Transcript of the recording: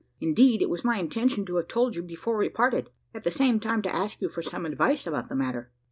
Indeed, it was my intention to have told you before we parted at the same time to ask you for some advice about the matter."